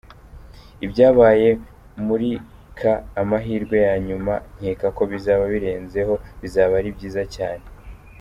Ibyabaye murika ‘Amahirwe ya Nyuma’ nkeka ko bizaba birenzeho, bizaba ari byiza cyane.